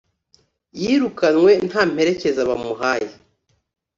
Yirukanwe ntamerekeza bamuhaye